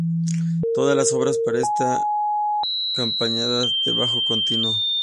Todas las obras para solo están acompañadas de bajo continuo.